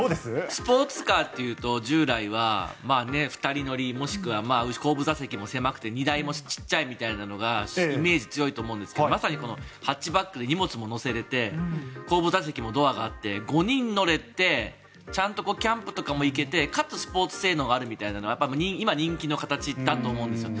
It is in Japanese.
スポーツカーというと従来は２人乗りもしくは後部座席も狭くて荷台も小さいというのがイメージが強いと思いますがまさにハッチバッグで荷物も載せられて後部座席もドアがあって５人乗れてちゃんとキャンプとかも行けてかつスポーツ性能があるみたいなのが今、人気の形だと思うんですよ。